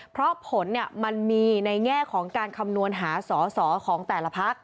เพราะผลมันมีในแง่ของการคำนวณหาสอสอของแต่ละพัก